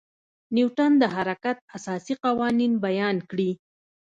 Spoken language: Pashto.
نیوټن د حرکت اساسي قوانین بیان کړي.